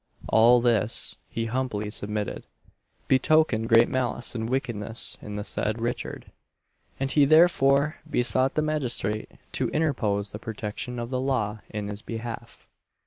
All this, he humbly submitted, betokened great malice and wickedness in the said Richard, and he therefore besought the magistrate to interpose the protection of the law in his behalf.